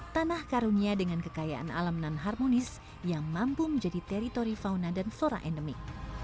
tanah karunia dengan kekayaan alam non harmonis yang mampu menjadi teritori fauna dan flora endemik